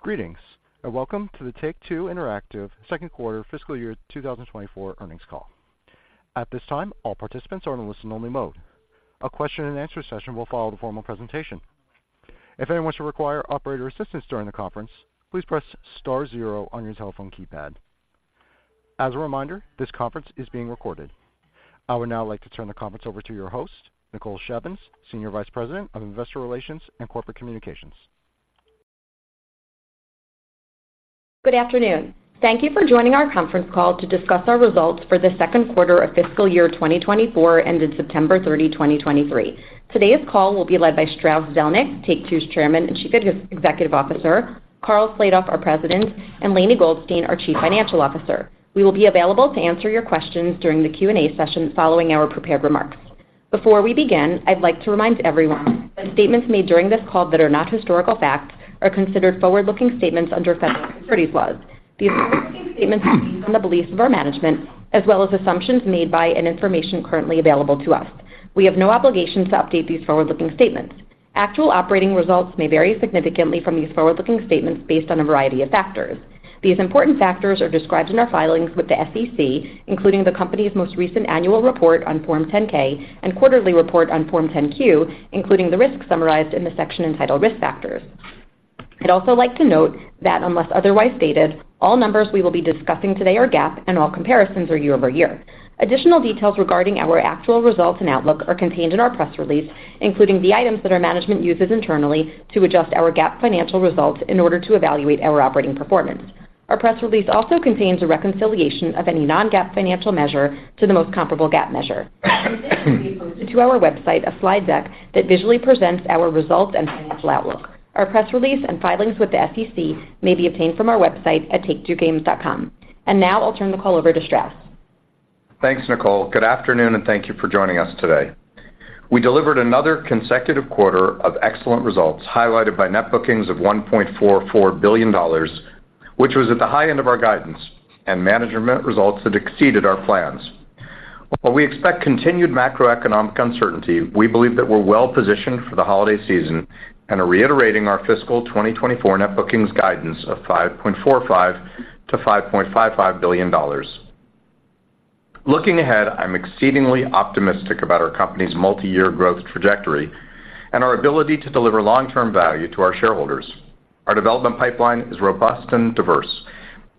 Greetings, and welcome to the Take-Two Interactive Second Quarter Fiscal Year 2024 Earnings Call. At this time, all participants are in a listen-only mode. A question-and-answer session will follow the formal presentation. If anyone should require operator assistance during the conference, please press star zero on your telephone keypad. As a reminder, this conference is being recorded. I would now like to turn the conference over to your host, Nicole Shevins, Senior Vice President of Investor Relations and Corporate Communications. Good afternoon. Thank you for joining our conference call to discuss our results for the Second Quarter of Fiscal Year 2024, ended September 30, 2023. Today's call will be led by Strauss Zelnick, Take-Two's Chairman and Chief Executive Officer, Karl Slatoff, our President, and Lainie Goldstein, our Chief Financial Officer. We will be available to answer your questions during the Q&A session following our prepared remarks. Before we begin, I'd like to remind everyone that statements made during this call that are not historical facts are considered forward-looking statements under federal securities laws. These forward-looking statements are based on the beliefs of our management as well as assumptions made by and information currently available to us. We have no obligation to update these forward-looking statements. Actual operating results may vary significantly from these forward-looking statements based on a variety of factors. These important factors are described in our filings with the SEC, including the company's most recent annual report on Form 10-K and quarterly report on Form 10-Q, including the risks summarized in the section entitled Risk Factors. I'd also like to note that unless otherwise stated, all numbers we will be discussing today are GAAP, and all comparisons are year-over-year. Additional details regarding our actual results and outlook are contained in our press release, including the items that our management uses internally to adjust our GAAP financial results in order to evaluate our operating performance. Our press release also contains a reconciliation of any non-GAAP financial measure to the most comparable GAAP measure. We've also posted to our website a slide deck that visually presents our results and financial outlook. Our press release and filings with the SEC may be obtained from our website at take2games.com. Now I'll turn the call over to Strauss. Thanks, Nicole. Good afternoon, and thank you for joining us today. We delivered another consecutive quarter of excellent results, highlighted by net bookings of $1.44 billion, which was at the high end of our guidance and management results that exceeded our plans. While we expect continued macroeconomic uncertainty, we believe that we're well positioned for the holiday season and are reiterating our fiscal 2024 net bookings guidance of $5.45 billion-$5.55 billion. Looking ahead, I'm exceedingly optimistic about our company's multi-year growth trajectory and our ability to deliver long-term value to our shareholders. Our development pipeline is robust and diverse,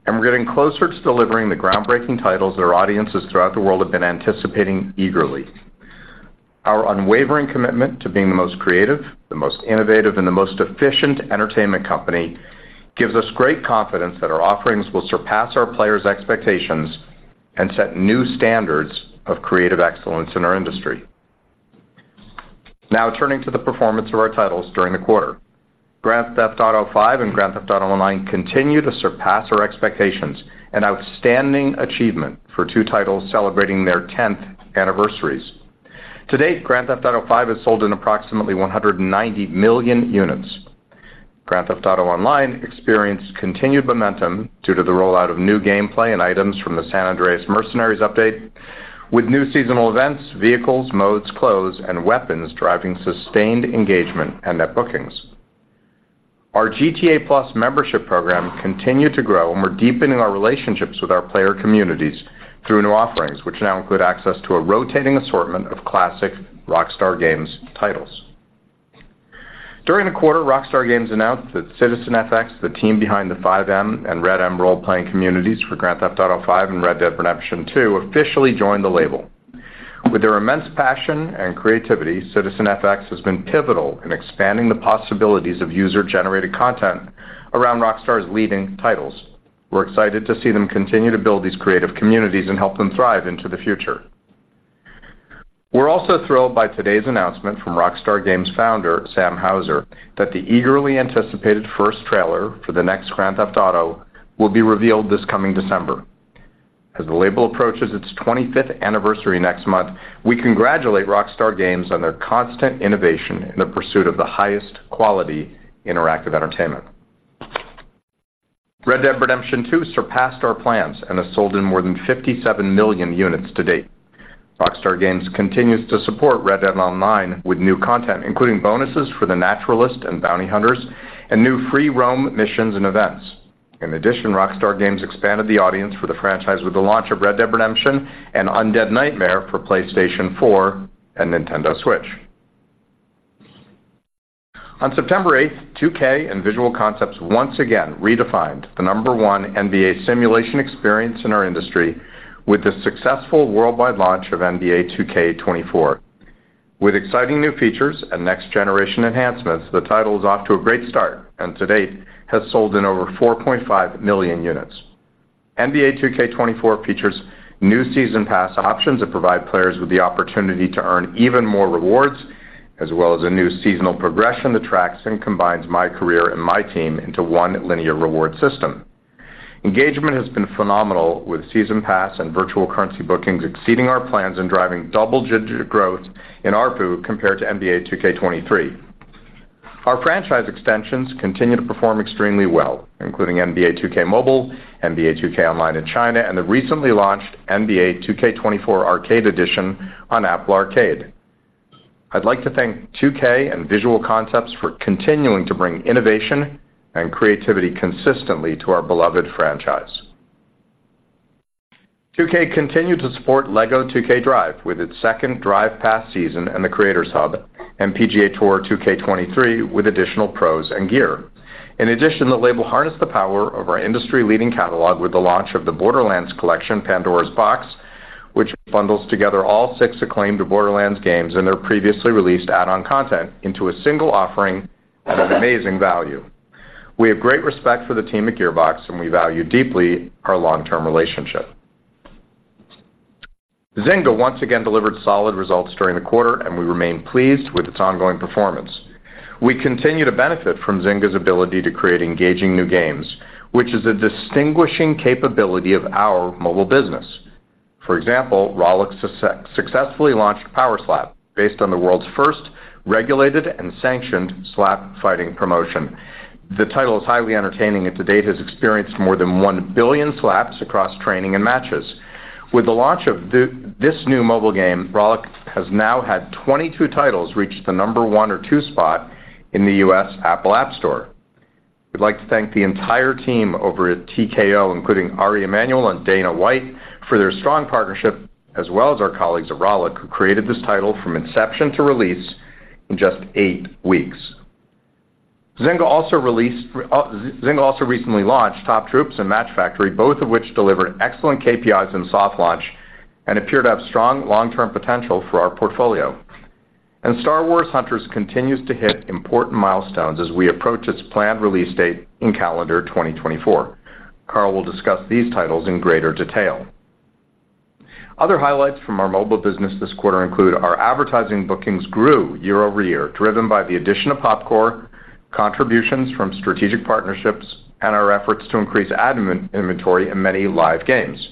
and we're getting closer to delivering the groundbreaking titles that our audiences throughout the world have been anticipating eagerly. Our unwavering commitment to being the most creative, the most innovative, and the most efficient entertainment company gives us great confidence that our offerings will surpass our players' expectations and set new standards of creative excellence in our industry. Now, turning to the performance of our titles during the quarter. Grand Theft Auto V and Grand Theft Auto Online continue to surpass our expectations, an outstanding achievement for two titles celebrating their tenth anniversaries. To date, Grand Theft Auto V has sold in approximately 190 million units. Grand Theft Auto Online experienced continued momentum due to the rollout of new gameplay and items from the San Andreas Mercenaries update, with new seasonal events, vehicles, modes, clothes, and weapons driving sustained engagement and Net Bookings. Our GTA+ membership program continued to grow, and we're deepening our relationships with our player communities through new offerings, which now include access to a rotating assortment of classic Rockstar Games titles. During the quarter, Rockstar Games announced that CitizenFX, the team behind the FiveM and RedM role-playing communities for Grand Theft Auto V and Red Dead Redemption 2, officially joined the label. With their immense passion and creativity, CitizenFX has been pivotal in expanding the possibilities of user-generated content around Rockstar's leading titles. We're excited to see them continue to build these creative communities and help them thrive into the future. We're also thrilled by today's announcement from Rockstar Games founder, Sam Houser, that the eagerly anticipated first trailer for the next Grand Theft Auto will be revealed this coming December. As the label approaches its 25th anniversary next month, we congratulate Rockstar Games on their constant innovation in the pursuit of the highest quality interactive entertainment. Red Dead Redemption II surpassed our plans and has sold in more than 57 million units to date. Rockstar Games continues to support Red Dead Online with new content, including bonuses for the Naturalist and Bounty Hunters and new free roam missions and events. In addition, Rockstar Games expanded the audience for the franchise with the launch of Red Dead Redemption: Undead Nightmare for PlayStation 4 and Nintendo Switch. On September 8, 2K and Visual Concepts once again redefined the No. 1 NBA simulation experience in our industry with the successful worldwide launch of NBA 2K24. With exciting new features and next generation enhancements, the title is off to a great start and to date has sold in over 4.5 million units. NBA 2K24 features new season pass options that provide players with the opportunity to earn even more rewards, as well as a new seasonal progression that tracks and combines MyCAREER and MyTEAM into one linear reward system. Engagement has been phenomenal, with season pass and virtual currency bookings exceeding our plans and driving double-digit growth in ARPU compared to NBA 2K23. Our franchise extensions continue to perform extremely well, including NBA 2K Mobile, NBA 2K Online in China, and the recently launched NBA 2K24 Arcade Edition on Apple Arcade. I'd like to thank 2K and Visual Concepts for continuing to bring innovation and creativity consistently to our beloved franchise. 2K continued to support LEGO 2K Drive with its second Drive Pass season and the Creators Hub, and PGA Tour 2K23 with additional pros and gear. In addition, the label harnessed the power of our industry-leading catalog with the launch of the Borderlands Collection: Pandora's Box, which bundles together all six acclaimed Borderlands games and their previously released add-on content into a single offering at an amazing value. We have great respect for the team at Gearbox, and we value deeply our long-term relationship. Zynga once again delivered solid results during the quarter, and we remain pleased with its ongoing performance. We continue to benefit from Zynga's ability to create engaging new games, which is a distinguishing capability of our mobile business. For example, Rollic successfully launched Power Slap, based on the world's first regulated and sanctioned slap-fighting promotion. The title is highly entertaining, and to date, has experienced more than 1 billion slaps across training and matches. With the launch of this new mobile game, Rollic has now had 22 titles reach the number one or two spot in the U.S. Apple App Store. We'd like to thank the entire team over at TKO, including Ari Emanuel and Dana White, for their strong partnership, as well as our colleagues at Rollic, who created this title from inception to release in just 8 weeks. Zynga also recently launched Top Troops Match Factory!, both of which delivered excellent KPIs in soft launch and appear to have strong long-term potential for our portfolio. And Star Wars: Hunters continues to hit important milestones as we approach its planned release date in calendar 2024. Karl will discuss these titles in greater detail. Other highlights from our mobile business this quarter include our advertising bookings grew year-over-year, driven by the addition of Popcore, contributions from strategic partnerships, and our efforts to increase ad inventory in many live games.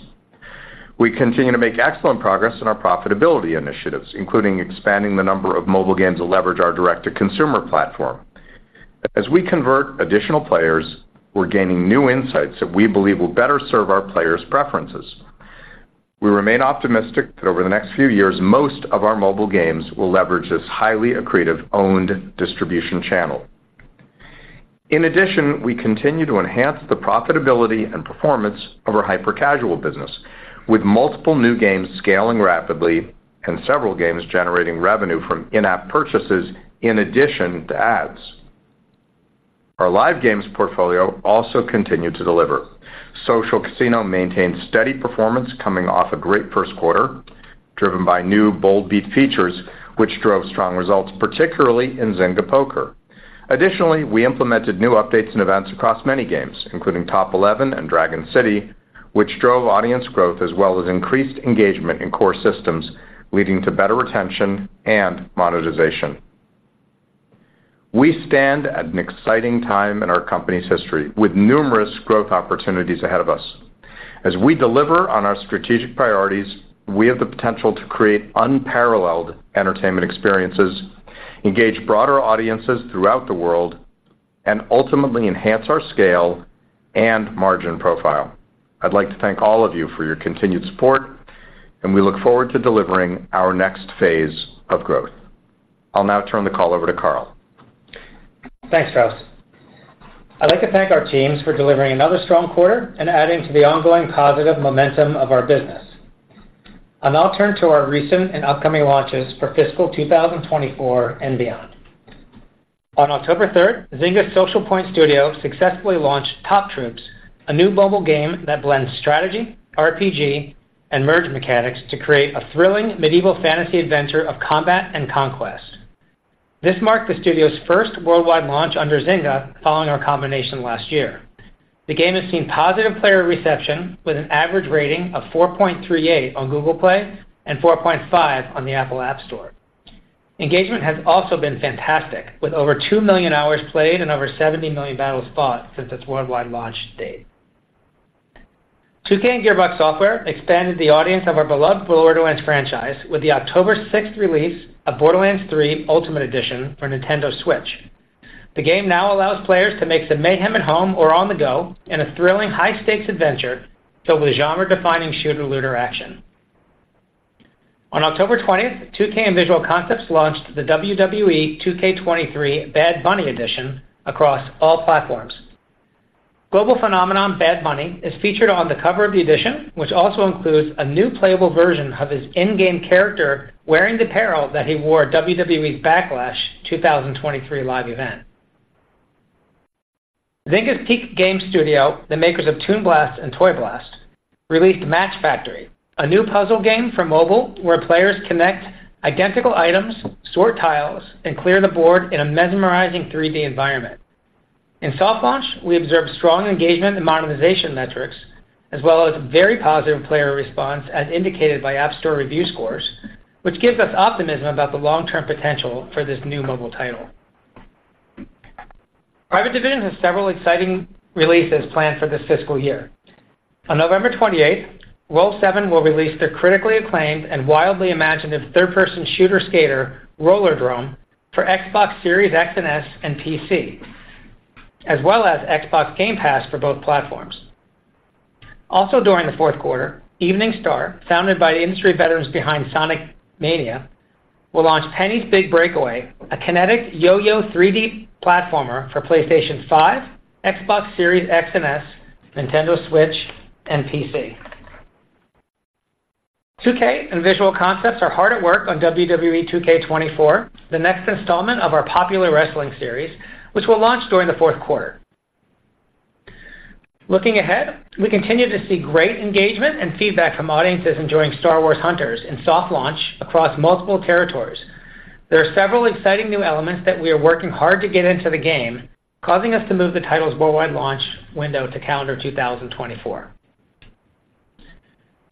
We continue to make excellent progress in our profitability initiatives, including expanding the number of mobile games to leverage our direct-to-consumer platform. As we convert additional players, we're gaining new insights that we believe will better serve our players' preferences. We remain optimistic that over the next few years, most of our mobile games will leverage this highly accretive owned distribution channel. In addition, we continue to enhance the profitability and performance of our hyper-casual business, with multiple new games scaling rapidly and several games generating revenue from in-app purchases in addition to ads. Our live games portfolio also continued to deliver. Social Casino maintained steady performance coming off a great first quarter, driven by new Bold Beat features, which drove strong results, particularly in Zynga Poker. Additionally, we implemented new updates and events across many games, including Top Eleven and Dragon City, which drove audience growth as well as increased engagement in core systems, leading to better retention and monetization. We stand at an exciting time in our company's history, with numerous growth opportunities ahead of us. As we deliver on our strategic priorities, we have the potential to create unparalleled entertainment experiences, engage broader audiences throughout the world, and ultimately enhance our scale and margin profile. I'd like to thank all of you for your continued support, and we look forward to delivering our next phase of growth. I'll now turn the call over to Karl. Thanks, Strauss. I'd like to thank our teams for delivering another strong quarter and adding to the ongoing positive momentum of our business. I'll now turn to our recent and upcoming launches for fiscal 2024 and beyond. On October 3rd, Zynga's Socialpoint Studio successfully launched Top Troops, a new mobile game that blends strategy, RPG, and merge mechanics to create a thrilling medieval fantasy adventure of combat and conquest. This marked the studio's first worldwide launch under Zynga following our combination last year. The game has seen positive player reception, with an average rating of 4.38 on Google Play and 4.5 on the Apple App Store. Engagement has also been fantastic, with over 2 million hours played and over 70 million battles fought since its worldwide launch date. 2K and Gearbox Software expanded the audience of our beloved Borderlands franchise with the October 6 release of Borderlands 3: Ultimate Edition for Nintendo Switch. The game now allows players to make the mayhem at home or on the go in a thrilling, high-stakes adventure filled with genre-defining shooter looter action. On October 20, 2K and Visual Concepts launched the WWE 2K23 Bad Bunny Edition across all platforms. Global phenomenon Bad Bunny is featured on the cover of the edition, which also includes a new playable version of his in-game character wearing the apparel that he wore at WWE's Backlash 2023 live event. Zynga's Peak Games Studio, the makers of Toon Blast and Toy Blast, released Match Factory!, a new puzzle game for mobile, where players connect identical items, sort tiles, and clear the board in a mesmerizing 3D environment. In soft launch, we observed strong engagement and monetization metrics, as well as very positive player response, as indicated by App Store review scores, which gives us optimism about the long-term potential for this new mobile title. Private Division has several exciting releases planned for this fiscal year. On November 28th, Roll7 will release their critically acclaimed and wildly imaginative third-person shooter skater, Rollerdrome, for Xbox Series X and S and PC, as well as Xbox Game Pass for both platforms.... Also during the fourth quarter, Evening Star, founded by the industry veterans behind Sonic Mania, will launch Penny's Big Breakaway, a kinetic yo-yo 3D platformer for PlayStation 5, Xbox Series X and S, Nintendo Switch, and PC. 2K and Visual Concepts are hard at work on WWE 2K24, the next installment of our popular wrestling series, which will launch during the fourth quarter. Looking ahead, we continue to see great engagement and feedback from audiences enjoying Star Wars: Hunters in soft launch across multiple territories. There are several exciting new elements that we are working hard to get into the game, causing us to move the title's worldwide launch window to calendar 2024.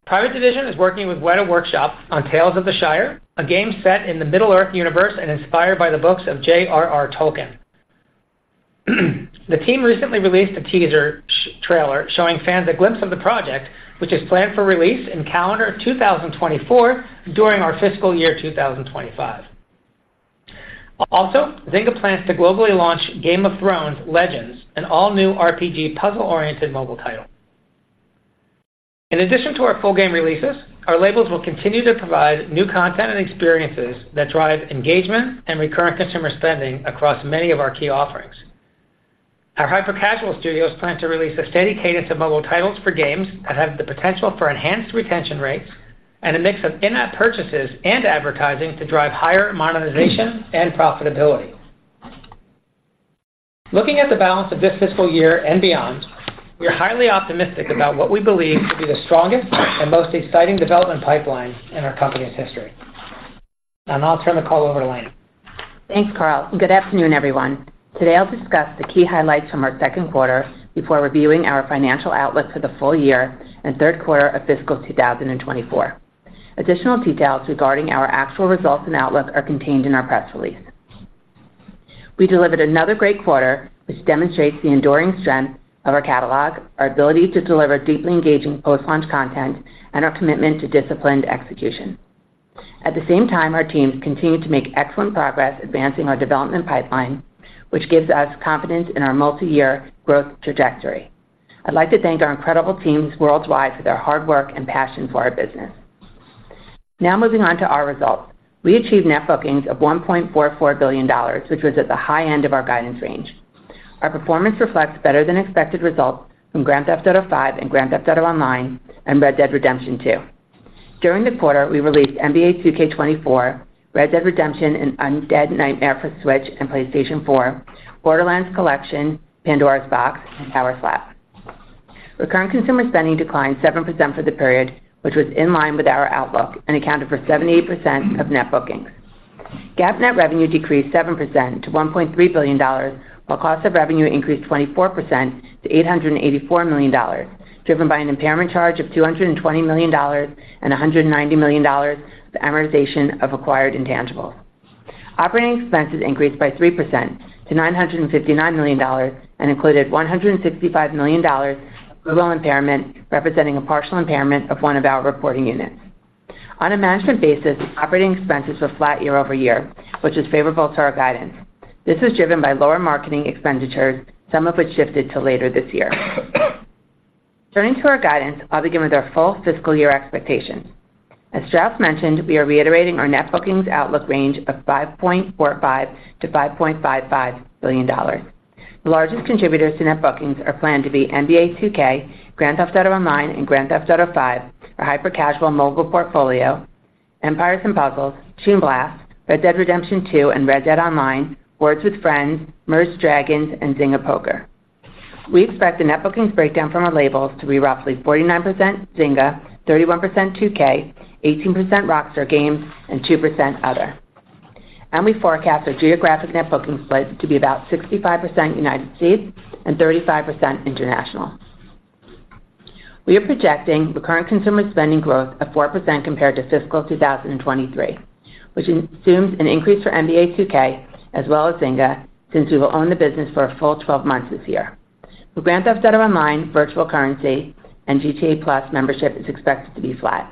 Private Division is working with Weta Workshop on Tales of the Shire, a game set in the Middle-earth universe and inspired by the books of J.R.R. Tolkien. The team recently released a teaser trailer showing fans a glimpse of the project, which is planned for release in calendar 2024 during our fiscal year 2025. Also, Zynga plans to globally launch Game of Thrones: Legends, an all-new RPG puzzle-oriented mobile title. In addition to our full game releases, our labels will continue to provide new content and experiences that drive engagement and recurrent customer spending across many of our key offerings. Our hyper-casual studios plan to release a steady cadence of mobile titles for games that have the potential for enhanced retention rates and a mix of in-app purchases and advertising to drive higher monetization and profitability. Looking at the balance of this fiscal year and beyond, we are highly optimistic about what we believe to be the strongest and most exciting development pipeline in our company's history. Now I'll turn the call over to Lainie. Thanks, Karl, and good afternoon, everyone. Today, I'll discuss the key highlights from our second quarter before reviewing our financial outlook for the full year and third quarter of fiscal 2024. Additional details regarding our actual results and outlook are contained in our press release. We delivered another great quarter, which demonstrates the enduring strength of our catalog, our ability to deliver deeply engaging post-launch content, and our commitment to disciplined execution. At the same time, our teams continued to make excellent progress advancing our development pipeline, which gives us confidence in our multiyear growth trajectory. I'd like to thank our incredible teams worldwide for their hard work and passion for our business. Now moving on to our results. We achieved net bookings of $1.44 billion, which was at the high end of our guidance range. Our performance reflects better than expected results from Grand Theft Auto V and Grand Theft Auto Online and Red Dead Redemption II. During the quarter, we released NBA 2K24, Red Dead Redemption and Undead Nightmare for Switch and PlayStation 4, Borderlands Collection: Pandora's Box, and Power Slap. Recurrent consumer spending declined 7% for the period, which was in line with our outlook and accounted for 78% of net bookings. GAAP net revenue decreased 7% to $1.3 billion, while cost of revenue increased 24% to $884 million, driven by an impairment charge of $220 million and $190 million, the amortization of acquired intangibles. Operating expenses increased by 3% to $959 million and included $165 million of goodwill impairment, representing a partial impairment of one of our reporting units. On a management basis, operating expenses were flat year-over-year, which is favorable to our guidance. This was driven by lower marketing expenditures, some of which shifted to later this year. Turning to our guidance, I'll begin with our full fiscal year expectations. As Strauss mentioned, we are reiterating our net bookings outlook range of $5.45 billion-$5.55 billion. The largest contributors to net bookings are planned to be NBA 2K, Grand Theft Auto Online, and Grand Theft Auto V, our hyper casual mobile portfolio, Empires & Puzzles, Toon Blast, Red Dead Redemption 2, and Red Dead Online, Words With Friends, Merge Dragons!, and Zynga Poker. We expect the net bookings breakdown from our labels to be roughly 49% Zynga, 31% 2K, 18% Rockstar Games, and 2% other. We forecast our geographic net booking split to be about 65% United States and 35% international. We are projecting recurrent consumer spending growth of 4% compared to fiscal 2023, which assumes an increase for NBA 2K as well as Zynga, since we will own the business for a full 12 months this year. For Grand Theft Auto Online, virtual currency and GTA+ membership is expected to be flat.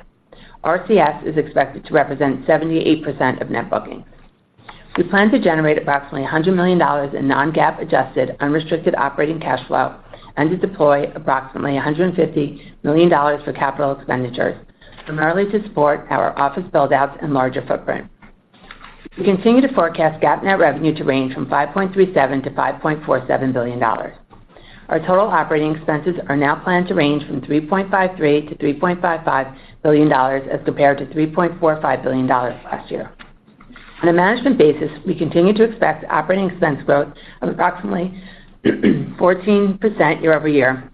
RCS is expected to represent 78% of net bookings. We plan to generate approximately $100 million in non-GAAP adjusted unrestricted operating cash flow and to deploy approximately $150 million for capital expenditures, primarily to support our office buildouts and larger footprint. We continue to forecast GAAP net revenue to range from $5.37 billion-$5.47 billion. Our total operating expenses are now planned to range from $3.53 billion-$3.55 billion as compared to $3.45 billion last year. On a management basis, we continue to expect operating expense growth of approximately 14% year-over-year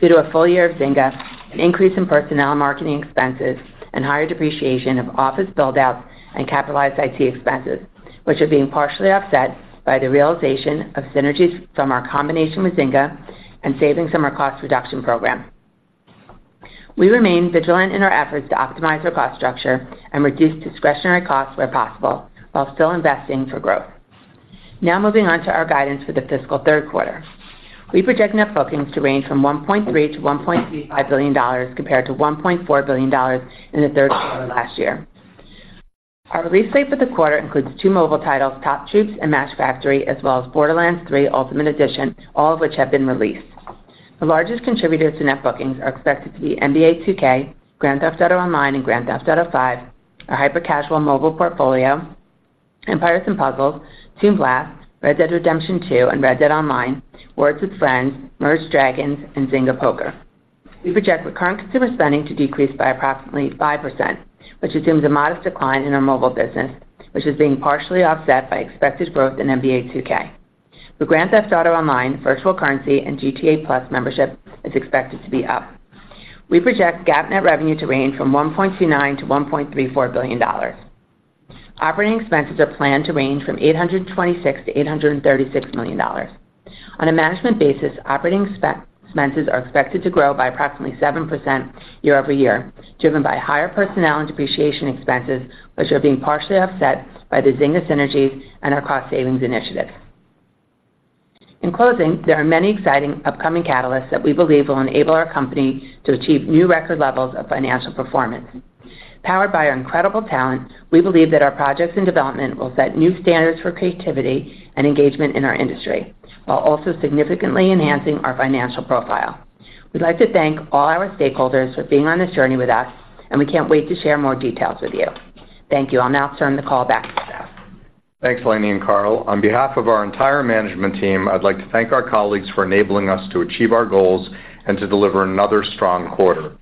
due to a full year of Zynga, an increase in personnel and marketing expenses, and higher depreciation of office buildouts and capitalized IT expenses, which are being partially offset by the realization of synergies from our combination with Zynga and savings from our cost reduction program. We remain vigilant in our efforts to optimize our cost structure and reduce discretionary costs where possible, while still investing for growth. Now moving on to our guidance for the fiscal third quarter. We project net bookings to range from $1.3 billion-$1.85 billion, compared to $1.4 billion in the third quarter last year. Our release slate for the quarter includes 2 mobile titles, Top Troops and Match Factory!, as well as Borderlands 3 Ultimate Edition, all of which have been released. The largest contributors to net bookings are expected to be NBA 2K, Grand Theft Auto Online, and Grand Theft Auto V, our hyper-casual mobile portfolio, Empires & Puzzles, Toon Blast, Red Dead Redemption II, and Red Dead Online, Words with Friends, Merge Dragons, and Zynga Poker. We project the current consumer spending to decrease by approximately 5%, which assumes a modest decline in our mobile business, which is being partially offset by expected growth in NBA 2K. The Grand Theft Auto Online, virtual currency, and GTA+ membership is expected to be up. We project GAAP net revenue to range from $1.29-$1.34 billion. Operating expenses are planned to range from $826-$836 million. On a management basis, operating expenses are expected to grow by approximately 7% year-over-year, driven by higher personnel and depreciation expenses, which are being partially offset by the Zynga synergies and our cost savings initiatives. In closing, there are many exciting upcoming catalysts that we believe will enable our company to achieve new record levels of financial performance. Powered by our incredible talent, we believe that our projects in development will set new standards for creativity and engagement in our industry, while also significantly enhancing our financial profile. We'd like to thank all our stakeholders for being on this journey with us, and we can't wait to share more details with you. Thank you. I'll now turn the call back to Strauss. Thanks, Lainie and Karl. On behalf of our entire management team, I'd like to thank our colleagues for enabling us to achieve our goals and to deliver another strong quarter.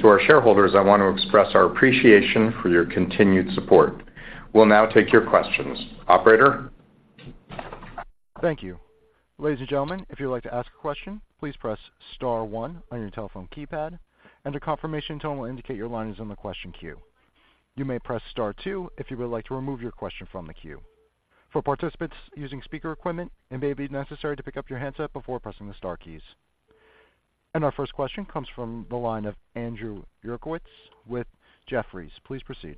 To our shareholders, I want to express our appreciation for your continued support. We'll now take your questions. Operator? Thank you. Ladies and gentlemen, if you'd like to ask a question, please press star one on your telephone keypad, and a confirmation tone will indicate your line is on the question queue. You may press star two if you would like to remove your question from the queue. For participants using speaker equipment, it may be necessary to pick up your handset before pressing the star keys. Our first question comes from the line of Andrew Uerkwitz with Jefferies. Please proceed.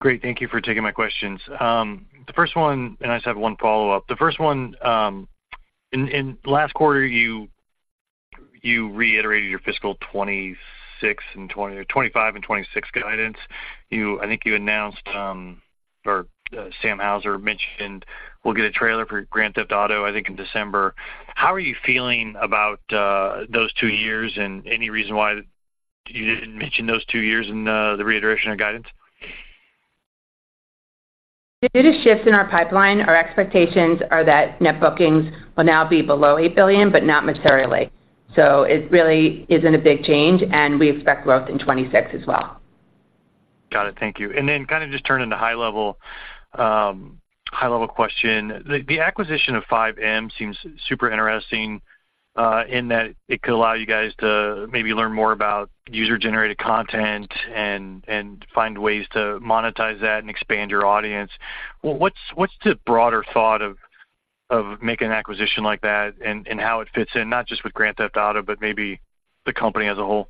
Great, thank you for taking my questions. The first one, and I just have one follow-up. The first one, in last quarter, you reiterated your fiscal 2025 and 2026 guidance. I think you announced, or Sam Houser mentioned we'll get a trailer for Grand Theft Auto, I think, in December. How are you feeling about those two years, and any reason why you didn't mention those two years in the reiteration of guidance? Due to shifts in our pipeline, our expectations are that Net Bookings will now be below $8 billion, but not materially. So it really isn't a big change, and we expect growth in 2026 as well. Got it. Thank you. And then kind of just turning to high level, high level question. The acquisition of FiveM seems super interesting, in that it could allow you guys to maybe learn more about user-generated content and find ways to monetize that and expand your audience. Well, what's the broader thought of making an acquisition like that and how it fits in, not just with Grand Theft Auto, but maybe the company as a whole?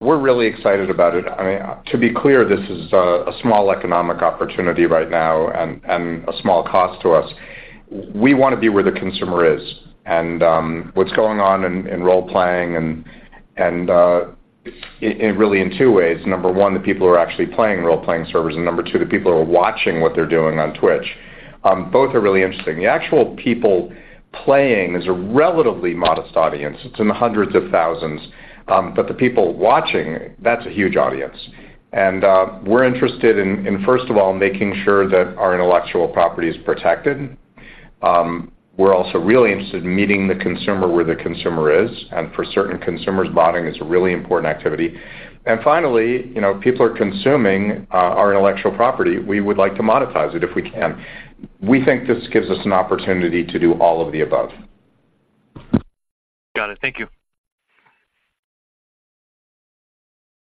We're really excited about it. I mean, to be clear, this is a small economic opportunity right now and a small cost to us. We want to be where the consumer is and what's going on in role-playing and in really in two ways. Number one, the people who are actually playing role-playing servers, and number two, the people who are watching what they're doing on Twitch. Both are really interesting. The actual people playing is a relatively modest audience. It's in the hundreds of thousands, but the people watching, that's a huge audience. And we're interested in first of all, making sure that our intellectual property is protected. We're also really interested in meeting the consumer where the consumer is, and for certain consumers, bonding is a really important activity. Finally, you know, people are consuming our intellectual property. We would like to monetize it if we can. We think this gives us an opportunity to do all of the above. Got it. Thank you.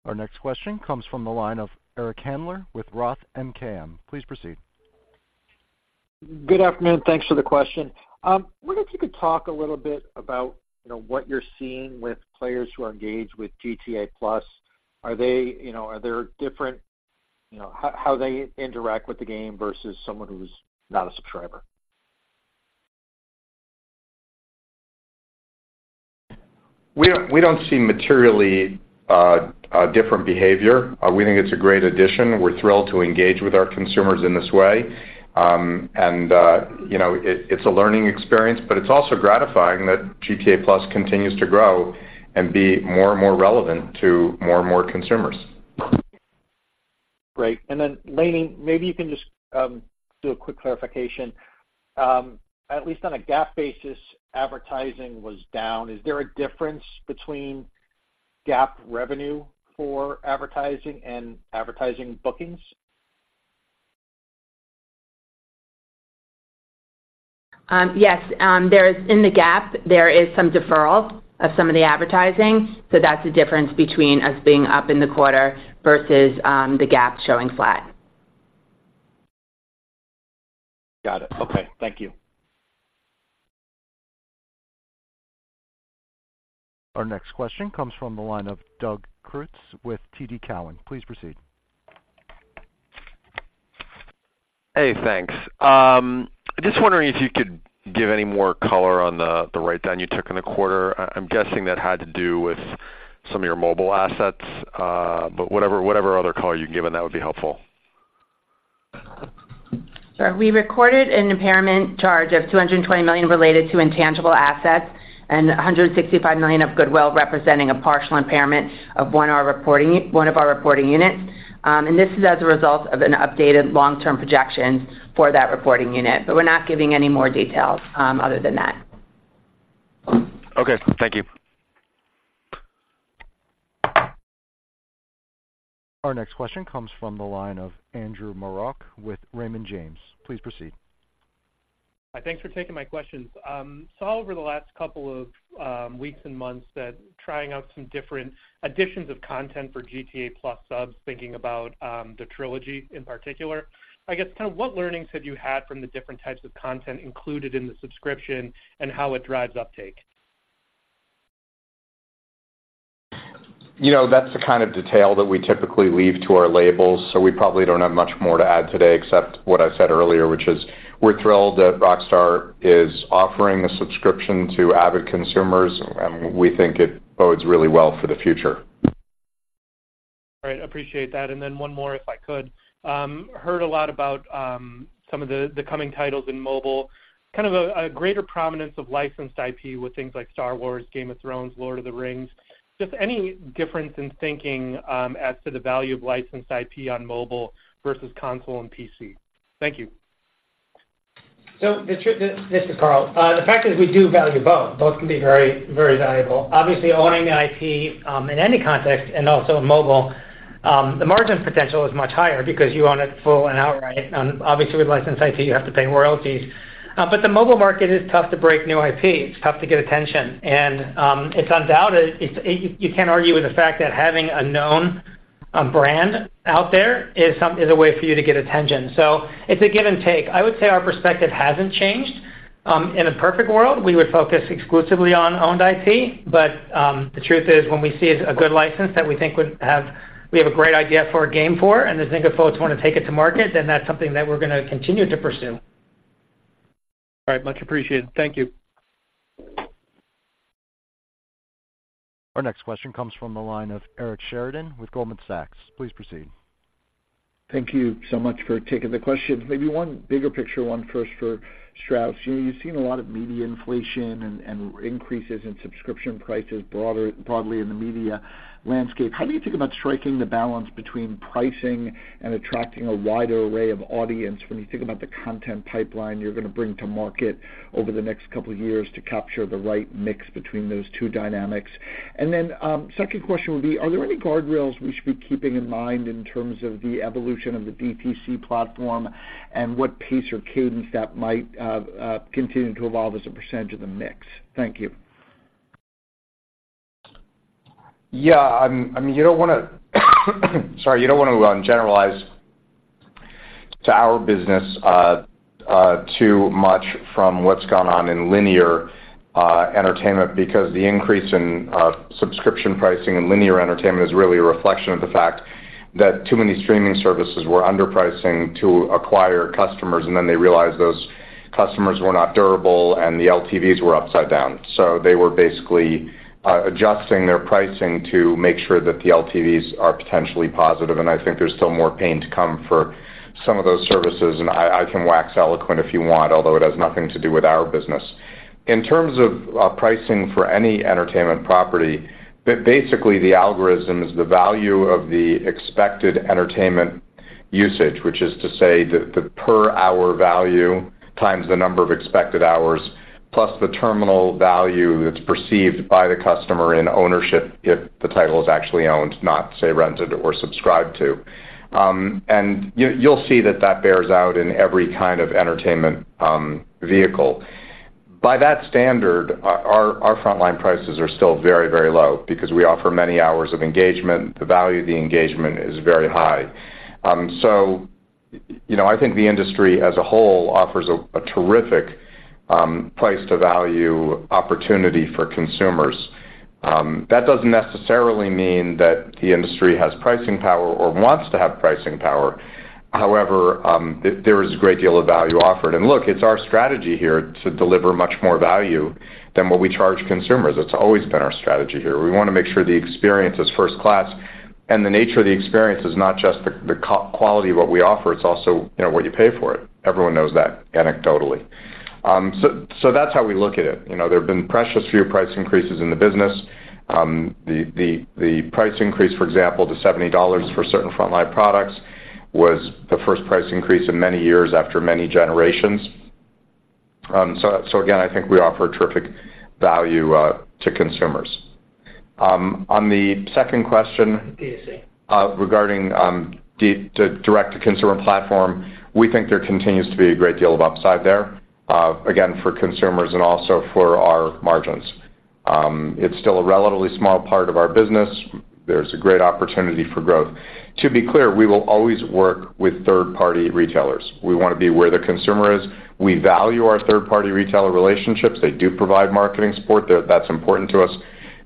Our next question comes from the line of Eric Handler with Roth MKM. Please proceed. Good afternoon, thanks for the question. Wondered if you could talk a little bit about, you know, what you're seeing with players who are engaged with GTA+. Are they, you know, are there different, you know, how they interact with the game versus someone who's not a subscriber? We don't see materially a different behavior. We think it's a great addition. We're thrilled to engage with our consumers in this way. You know, it's a learning experience, but it's also gratifying that GTA+ continues to grow and be more and more relevant to more and more consumers. Great. And then, Lainie, maybe you can just do a quick clarification. At least on a GAAP basis, advertising was down. Is there a difference between GAAP revenue for advertising and advertising bookings? Yes, in the GAAP, there is some deferral of some of the advertising, so that's the difference between us being up in the quarter versus the GAAP showing flat. Got it. Okay, thank you. Our next question comes from the line of Doug Creutz with TD Cowen. Please proceed.... Hey, thanks. Just wondering if you could give any more color on the write-down you took in the quarter. I'm guessing that had to do with some of your mobile assets, but whatever other color you can give on that would be helpful. Sure. We recorded an impairment charge of $220 million related to intangible assets and $165 million of goodwill, representing a partial impairment of one of our reporting units. This is as a result of an updated long-term projection for that reporting unit. But we're not giving any more details, other than that. Okay, thank you. Our next question comes from the line of Andrew Marok with Raymond James. Please proceed. Hi, thanks for taking my questions. Saw over the last couple of weeks and months that trying out some different additions of content for GTA+ subs, thinking about the trilogy in particular. I guess, kind of what learnings have you had from the different types of content included in the subscription and how it drives uptake? You know, that's the kind of detail that we typically leave to our labels, so we probably don't have much more to add today except what I said earlier, which is: We're thrilled that Rockstar is offering a subscription to avid consumers, and we think it bodes really well for the future. All right, appreciate that. And then one more, if I could. Heard a lot about some of the coming titles in mobile. Kind of a greater prominence of licensed IP with things like Star Wars, Game of Thrones, Lord of the Rings. Just any difference in thinking as to the value of licensed IP on mobile versus console and PC? Thank you. This is Karl. The fact is we do value both. Both can be very, very valuable. Obviously, owning the IP in any context and also in mobile, the margin potential is much higher because you own it full and outright. Obviously, with licensed IP, you have to pay royalties. But the mobile market is tough to break new IP. It's tough to get attention, and it's undoubtedly you can't argue with the fact that having a known brand out there is a way for you to get attention. So it's a give and take. I would say our perspective hasn't changed. In a perfect world, we would focus exclusively on owned IP, but the truth is, when we see a good license that we think would have... We have a great idea for a game, and the Zynga folks want to take it to market, then that's something that we're gonna continue to pursue. All right, much appreciated. Thank you. Our next question comes from the line of Eric Sheridan with Goldman Sachs. Please proceed. Thank you so much for taking the questions. Maybe one bigger picture, one first for Strauss. You know, you've seen a lot of media inflation and increases in subscription prices broadly in the media landscape. How do you think about striking the balance between pricing and attracting a wider array of audience when you think about the content pipeline you're going to bring to market over the next couple of years to capture the right mix between those two dynamics? And then, second question would be: Are there any guardrails we should be keeping in mind in terms of the evolution of the DTC platform and what pace or cadence that might continue to evolve as a percentage of the mix? Thank you. Yeah, I mean, you don't want to generalize to our business too much from what's gone on in linear entertainment, because the increase in subscription pricing in linear entertainment is really a reflection of the fact that too many streaming services were underpricing to acquire customers, and then they realized those customers were not durable, and the LTVs were upside down. So they were basically adjusting their pricing to make sure that the LTVs are potentially positive, and I think there's still more pain to come for some of those services, and I can wax eloquent if you want, although it has nothing to do with our business. In terms of pricing for any entertainment property, basically, the algorithm is the value of the expected entertainment usage, which is to say the per-hour value times the number of expected hours, plus the terminal value that's perceived by the customer in ownership if the title is actually owned, not, say, rented or subscribed to. And you, you'll see that that bears out in every kind of entertainment vehicle. By that standard, our frontline prices are still very, very low because we offer many hours of engagement. The value of the engagement is very high. So, you know, I think the industry as a whole offers a terrific price to value opportunity for consumers. That doesn't necessarily mean that the industry has pricing power or wants to have pricing power. However, there is a great deal of value offered. And look, it's our strategy here to deliver much more value than what we charge consumers. It's always been our strategy here. We want to make sure the experience is first class, and the nature of the experience is not just the quality of what we offer, it's also, you know, what you pay for it. Everyone knows that anecdotally. So that's how we look at it. You know, there have been precious few price increases in the business. The price increase, for example, to $70 for certain frontline products was the first price increase in many years after many generations. So again, I think we offer terrific value to consumers. On the second question- DTC. Regarding the direct-to-consumer platform, we think there continues to be a great deal of upside there, again, for consumers and also for our margins. It's still a relatively small part of our business. There's a great opportunity for growth. To be clear, we will always work with third-party retailers. We want to be where the consumer is. We value our third-party retailer relationships. They do provide marketing support. That's important to us.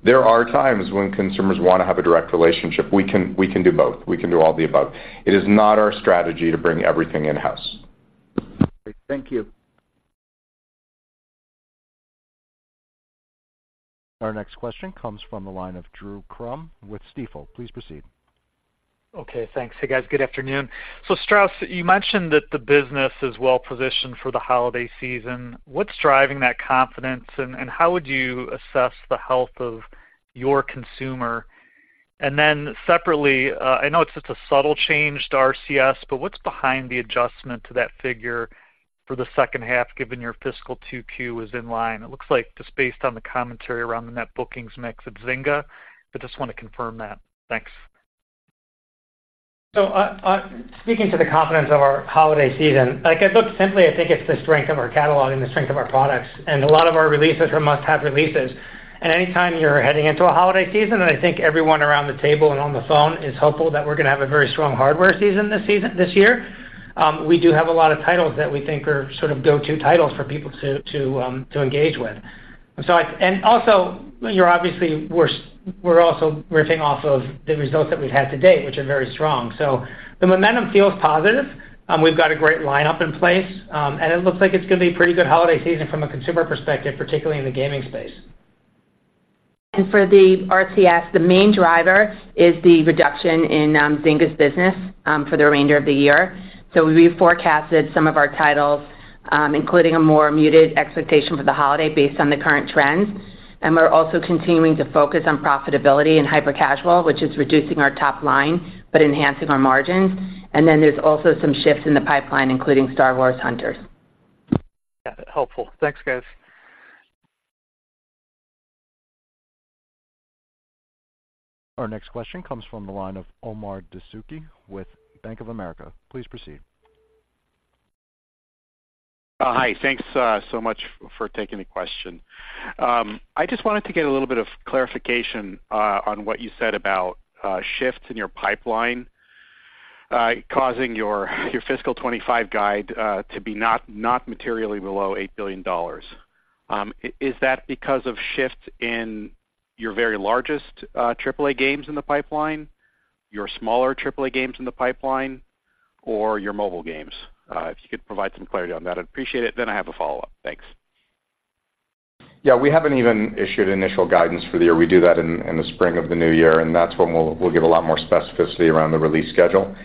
There are times when consumers want to have a direct relationship. We can do both. We can do all the above. It is not our strategy to bring everything in-house. Thank you. Our next question comes from the line of Drew Crum with Stifel. Please proceed. Okay, thanks. Hey, guys. Good afternoon. So Strauss, you mentioned that the business is well positioned for the holiday season. What's driving that confidence, and how would you assess the health of your consumer? And then separately, I know it's just a subtle change to RCS, but what's behind the adjustment to that figure for the second half, given your fiscal 2Q is in line? It looks like just based on the commentary around the net bookings mix of Zynga, but just want to confirm that. Thanks. So, speaking to the confidence of our holiday season, like, I look simply, I think it's the strength of our catalog and the strength of our products. A lot of our releases are must-have releases. Anytime you're heading into a holiday season, and I think everyone around the table and on the phone is hopeful that we're going to have a very strong hardware season this season, this year. We do have a lot of titles that we think are sort of go-to titles for people to engage with. So, and also, obviously, we're also riffing off of the results that we've had to date, which are very strong. So the momentum feels positive. We've got a great lineup in place, and it looks like it's going to be a pretty good holiday season from a consumer perspective, particularly in the gaming space. And for the RCS, the main driver is the reduction in Zynga's business for the remainder of the year. So we forecasted some of our titles, including a more muted expectation for the holiday based on the current trends. And we're also continuing to focus on profitability and hyper-casual, which is reducing our top line, but enhancing our margins. And then there's also some shifts in the pipeline, including Star Wars Hunters. Got it. Helpful. Thanks, guys. Our next question comes from the line of Omar Dessouky with Bank of America. Please proceed. Hi, thanks so much for taking the question. I just wanted to get a little bit of clarification on what you said about shifts in your pipeline causing your fiscal 25 guide to be not materially below $8 billion. Is that because of shifts in your very largest AAA games in the pipeline, your smaller AAA games in the pipeline, or your mobile games? If you could provide some clarity on that, I'd appreciate it. Then I have a follow-up. Thanks. Yeah, we haven't even issued initial guidance for the year. We do that in the spring of the new year, and that's when we'll give a lot more specificity around the release schedule.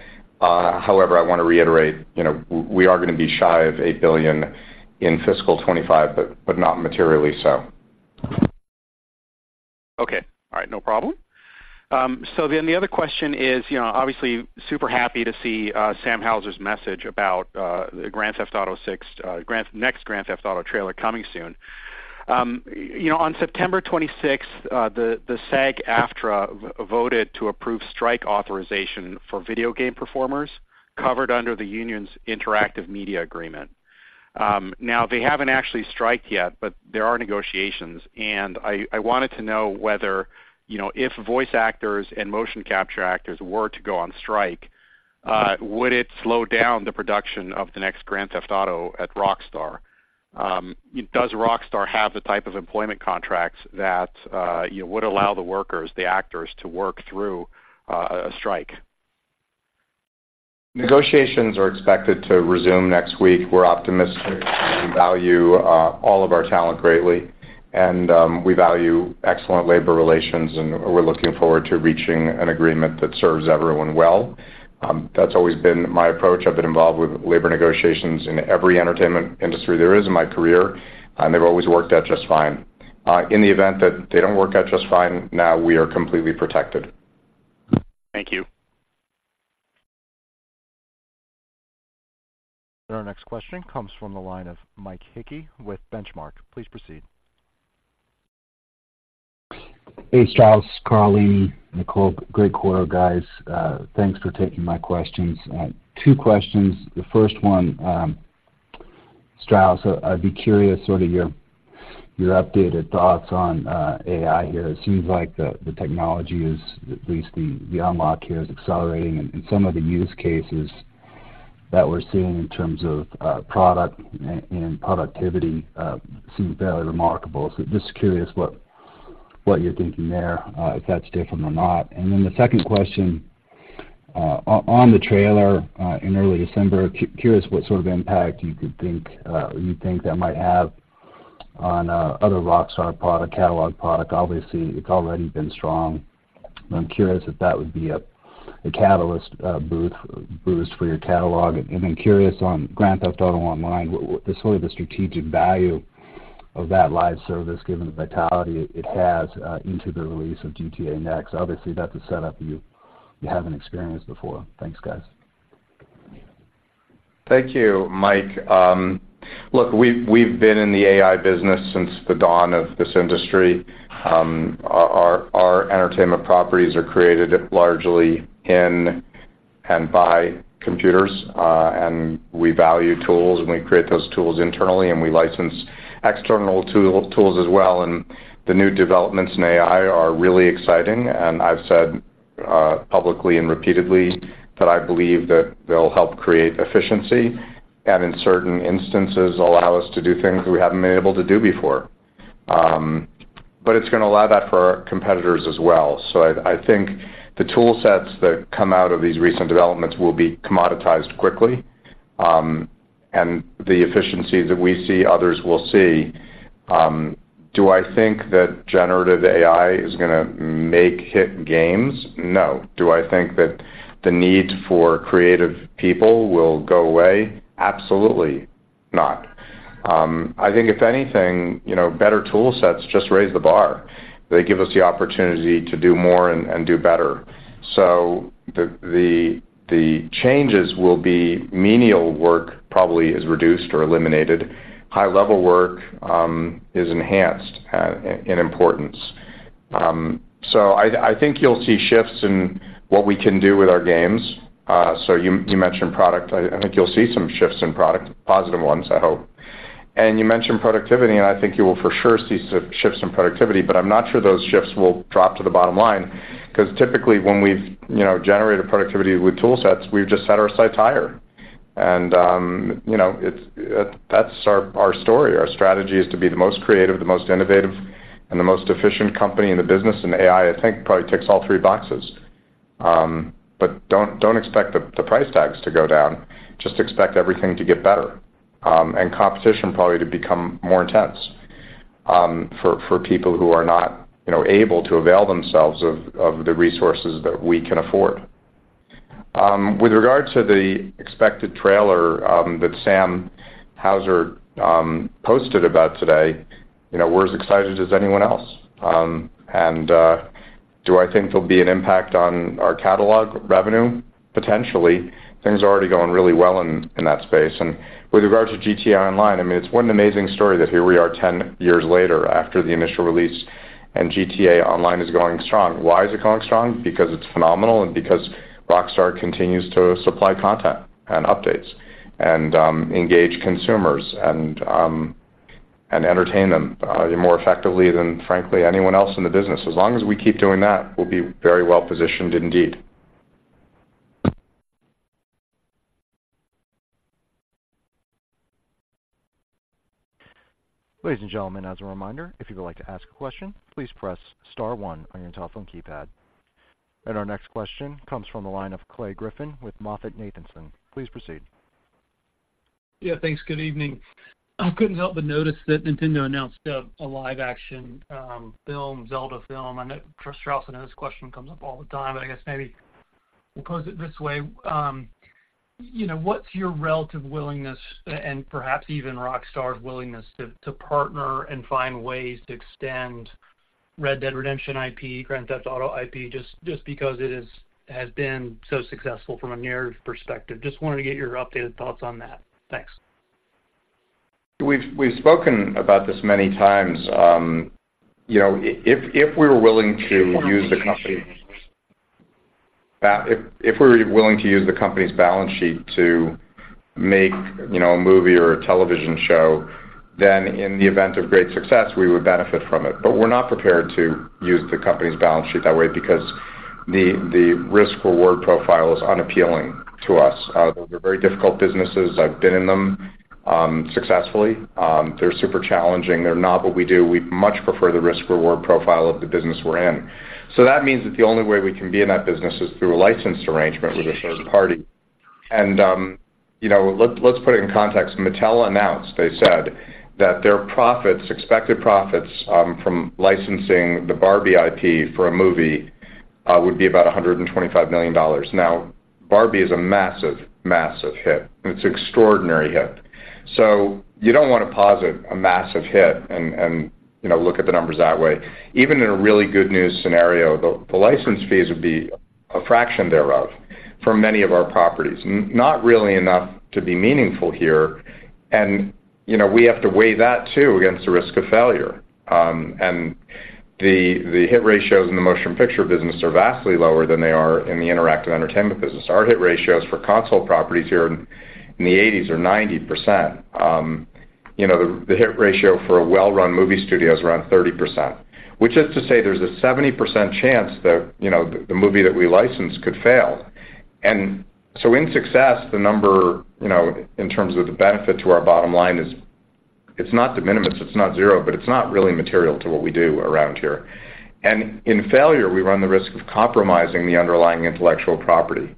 However, I want to reiterate, you know, we are going to be shy of $8 billion in fiscal 2025, but not materially so. Okay. All right. No problem. So then the other question is, you know, obviously, super happy to see Sam Houser's message about the Grand Theft Auto Six, next Grand Theft Auto trailer coming soon. You know, on September 26th, the SAG-AFTRA voted to approve strike authorization for video game performers covered under the union's interactive media agreement. Now, they haven't actually striked yet, but there are negotiations, and I wanted to know whether, you know, if voice actors and motion capture actors were to go on strike, would it slow down the production of the next Grand Theft Auto at Rockstar? Does Rockstar have the type of employment contracts that, you know, would allow the workers, the actors, to work through a strike? Negotiations are expected to resume next week. We're optimistic. We value all of our talent greatly, and we value excellent labor relations, and we're looking forward to reaching an agreement that serves everyone well. That's always been my approach. I've been involved with labor negotiations in every entertainment industry there is in my career, and they've always worked out just fine. In the event that they don't work out just fine, now we are completely protected. Thank you. Our next question comes from the line of Mike Hickey with Benchmark. Please proceed. Hey, Strauss, Karl, Lainie, Nicole. Great quarter, guys. Thanks for taking my questions. Two questions. The first one, Strauss, I'd be curious sort of your, your updated thoughts on, AI here. It seems like the, the technology is, at least the, the unlock here, is accelerating, and some of the use cases that we're seeing in terms of, product and, and productivity, seem fairly remarkable. So just curious what, what you're thinking there, if that's different or not. And then the second question, on, on the trailer, in early December, curious what sort of impact you could think, you think that might have on, other Rockstar product, catalog product. Obviously, it's already been strong. I'm curious if that would be a, a catalyst, boost for your catalog. And then curious on Grand Theft Auto Online, what sort of the strategic value of that live service, given the vitality it has into the release of GTA Next? Obviously, that's a setup you haven't experienced before. Thanks, guys. Thank you, Mike. Look, we've been in the AI business since the dawn of this industry. Our entertainment properties are created largely in and by computers, and we value tools, and we create those tools internally, and we license external tools as well, and the new developments in AI are really exciting. And I've said publicly and repeatedly that I believe that they'll help create efficiency, and in certain instances, allow us to do things we haven't been able to do before. But it's going to allow that for our competitors as well. So I think the tool sets that come out of these recent developments will be commoditized quickly, and the efficiency that we see, others will see. Do I think that generative AI is going to make hit games? No. Do I think that the need for creative people will go away? Absolutely not. I think if anything, you know, better tool sets just raise the bar. They give us the opportunity to do more and do better. So the changes will be menial work probably is reduced or eliminated. High level work is enhanced in importance. So I think you'll see shifts in what we can do with our games. So you mentioned product. I think you'll see some shifts in product, positive ones, I hope. And you mentioned productivity, and I think you will for sure see some shifts in productivity, but I'm not sure those shifts will drop to the bottom line, because typically when we've, you know, generated productivity with tool sets, we've just set our sights higher. You know, it's that our story. Our strategy is to be the most creative, the most innovative, and the most efficient company in the business, and AI, I think, probably ticks all three boxes. But don't expect the price tags to go down. Just expect everything to get better, and competition probably to become more intense, for people who are not, you know, able to avail themselves of the resources that we can afford. With regards to the expected trailer that Sam Houser posted about today, you know, we're as excited as anyone else. And do I think there'll be an impact on our catalog revenue? Potentially. Things are already going really well in that space. With regards to GTA Online, I mean, it's one amazing story that here we are 10 years later after the initial release, and GTA Online is going strong. Why is it going strong? Because it's phenomenal and because Rockstar continues to supply content and updates and engage consumers and entertain them more effectively than, frankly, anyone else in the business. As long as we keep doing that, we'll be very well positioned indeed. Ladies and gentlemen, as a reminder, if you would like to ask a question, please press star one on your telephone keypad. Our next question comes from the line of Clay Griffin with MoffettNathanson. Please proceed. Yeah, thanks. Good evening. I couldn't help but notice that Nintendo announced a live action film, Zelda film. I know, Strauss, I know this question comes up all the time, but I guess maybe we'll pose it this way. You know, what's your relative willingness and perhaps even Rockstar's willingness to partner and find ways to extend Red Dead Redemption IP, Grand Theft Auto IP, just because it has been so successful from a narrative perspective? Just wanted to get your updated thoughts on that. Thanks. We've spoken about this many times. You know, if we were willing to use the company's balance sheet to make, you know, a movie or a television show, then in the event of great success, we would benefit from it. But we're not prepared to use the company's balance sheet that way because the risk-reward profile is unappealing to us. They're very difficult businesses. I've been in them successfully. They're super challenging. They're not what we do. We much prefer the risk-reward profile of the business we're in. So that means that the only way we can be in that business is through a licensed arrangement with a third party. And you know, let's put it in context. Mattel announced, they said that their profits, expected profits, from licensing the Barbie IP for a movie, would be about $125 million. Now, Barbie is a massive, massive hit. It's an extraordinary hit. So you don't want to posit a massive hit and, and, you know, look at the numbers that way. Even in a really good news scenario, the, the license fees would be a fraction thereof for many of our properties, not really enough to be meaningful here. And, you know, we have to weigh that, too, against the risk of failure. And the, the hit ratios in the motion picture business are vastly lower than they are in the interactive entertainment business. Our hit ratios for console properties here in the 80s are 90%. You know, the hit ratio for a well-run movie studio is around 30%, which is to say there's a 70% chance that, you know, the movie that we license could fail. And so in success, the number, you know, in terms of the benefit to our bottom line is, it's not de minimis, it's not zero, but it's not really material to what we do around here. And in failure, we run the risk of compromising the underlying intellectual property.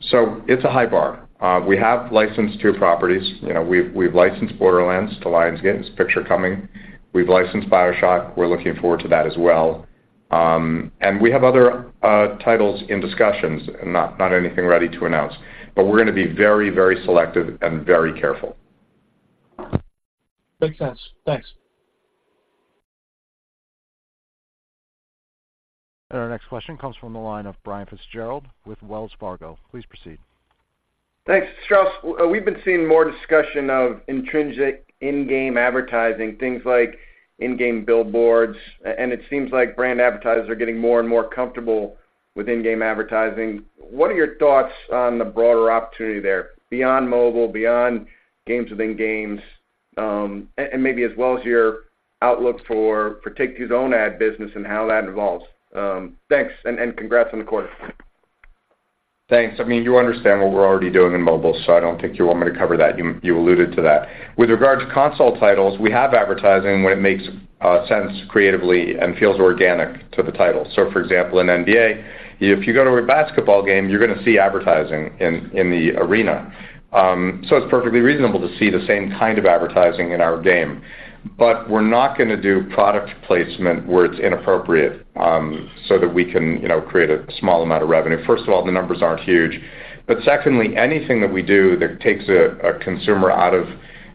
So it's a high bar. We have licensed two properties. You know, we've licensed Borderlands to Lionsgate, and it's a picture coming. We've licensed BioShock. We're looking forward to that as well. And we have other titles in discussions, not anything ready to announce, but we're going to be very, very selective and very careful. Makes sense. Thanks. Our next question comes from the line of Brian Fitzgerald with Wells Fargo. Please proceed. Thanks. Strauss, we've been seeing more discussion of intrinsic in-game advertising, things like in-game billboards, and it seems like brand advertisers are getting more and more comfortable with in-game advertising. What are your thoughts on the broader opportunity there, beyond mobile, beyond games within games, and, and maybe as well as your outlook for Take-Two's own ad business and how that evolves? Thanks, and, and congrats on the quarter. ...Thanks. I mean, you understand what we're already doing in mobile, so I don't think you want me to cover that. You alluded to that. With regard to console titles, we have advertising when it makes sense creatively and feels organic to the title. So for example, in NBA, if you go to a basketball game, you're gonna see advertising in the arena. So it's perfectly reasonable to see the same kind of advertising in our game. But we're not gonna do product placement where it's inappropriate, so that we can, you know, create a small amount of revenue. First of all, the numbers aren't huge, but secondly, anything that we do that takes a consumer out of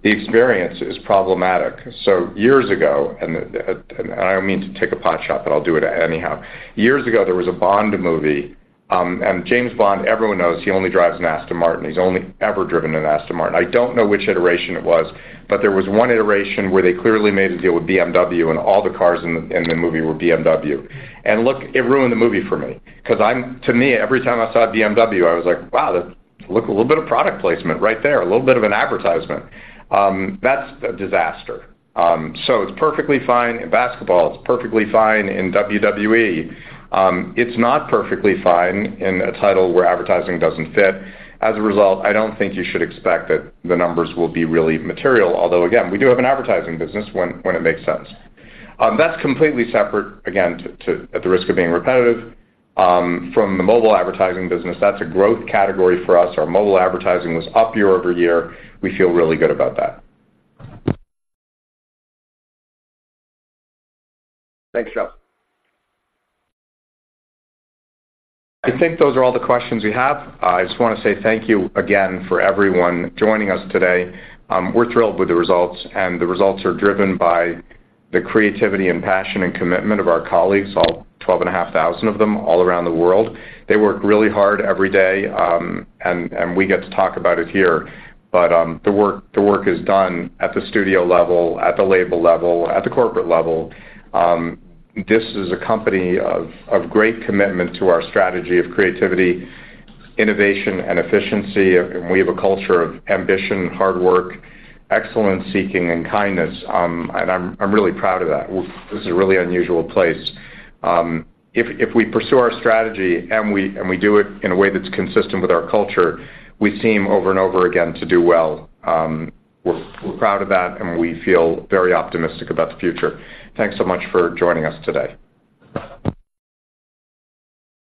the experience is problematic. So years ago, and I don't mean to take a potshot, but I'll do it anyhow. Years ago, there was a Bond movie, and James Bond, everyone knows he only drives an Aston Martin. He's only ever driven an Aston Martin. I don't know which iteration it was, but there was one iteration where they clearly made a deal with BMW, and all the cars in the movie were BMW. And look, it ruined the movie for me because to me, every time I saw a BMW, I was like: Wow, that look a little bit of product placement right there, a little bit of an advertisement. That's a disaster. So it's perfectly fine in basketball. It's perfectly fine in WWE. It's not perfectly fine in a title where advertising doesn't fit. As a result, I don't think you should expect that the numbers will be really material, although again, we do have an advertising business when it makes sense. That's completely separate, again, to at the risk of being repetitive, from the mobile advertising business. That's a growth category for us. Our mobile advertising was up year-over-year. We feel really good about that. Thanks, Strauss. I think those are all the questions we have. I just want to say thank you again for everyone joining us today. We're thrilled with the results, and the results are driven by the creativity and passion and commitment of our colleagues, all 12,500 of them all around the world. They work really hard every day, and we get to talk about it here, but the work, the work is done at the studio level, at the label level, at the corporate level. This is a company of great commitment to our strategy of creativity, innovation and efficiency. We have a culture of ambition, hard work, excellence-seeking, and kindness. I'm really proud of that. This is a really unusual place. If we pursue our strategy and we do it in a way that's consistent with our culture, we seem over and over again to do well. We're proud of that, and we feel very optimistic about the future. Thanks so much for joining us today.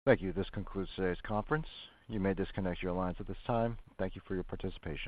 Thank you. This concludes today's conference. You may disconnect your lines at this time. Thank you for your participation.